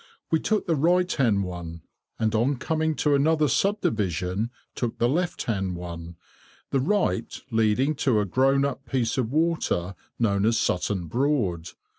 We took the right hand one, and on coming to another sub division, took the left hand one, the right leading to a grown up piece of water, known as Sutton Broad.